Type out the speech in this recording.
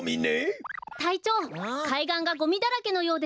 たいちょうかいがんがゴミだらけのようです。